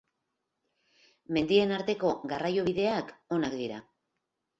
Mendien arteko garraiobideak onak dira.